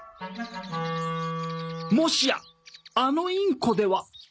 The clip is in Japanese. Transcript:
もしやあのインコでは？